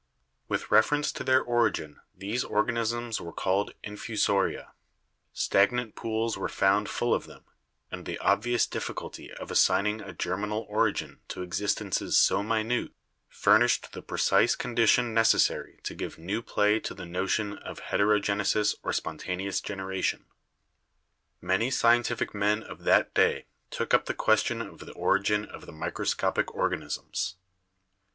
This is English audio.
With reference to their origin these organisms were called 'Infusoria/ Stagnant pools were found full of them, and the obvious difficulty of assigning a germinal origin to existences so minute furnished the THE ORIGIN OF LIFE 49 precise condition necessary to give new play to the notion of heterogenesis or spontaneous generation. Many scientific men of that day took up the question of the origin of the microscopic organisms.